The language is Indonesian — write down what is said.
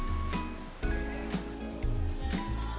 bukan hanya makanan minuman juga mampu bersaing menjadi magnet tersendiri